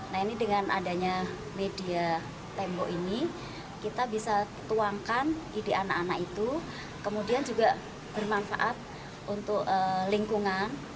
nah ini dengan adanya media tembok ini kita bisa tuangkan ide anak anak itu kemudian juga bermanfaat untuk lingkungan